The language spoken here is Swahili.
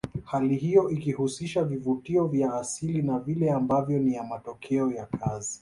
Hali hiyo ikihusisha vivutio vya asili na vile ambavyo ni matokeo ya kazi